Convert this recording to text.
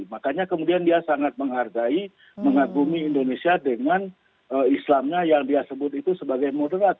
makanya kemudian dia sangat menghargai mengagumi indonesia dengan islamnya yang dia sebut itu sebagai moderat